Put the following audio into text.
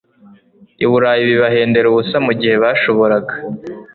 i burayi bibahendera ubusa mu gihe bashoboraga